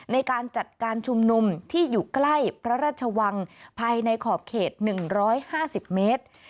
ในการจัดการชุมนุมที่อยู่ใกล้พระราชวังภายในขอบเขต๑๕๐เมตร